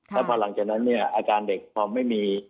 แล้วพอหลังจากนั้นเนี่ยอาการเด็กพอไม่มี